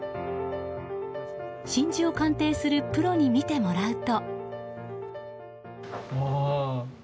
真珠を鑑定するプロに見てもらうと。